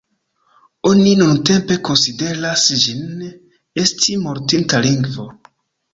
Oni nuntempe konsideras ĝin esti mortinta lingvo.